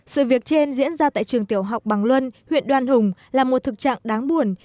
sự việc trên diễn ra tại trường tiểu học bằng luân huyện đoan hùng là một thực trạng đáng buồn